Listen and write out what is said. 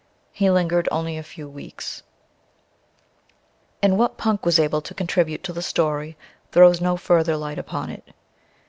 He lingered only a few weeks. And what Punk was able to contribute to the story throws no further light upon it.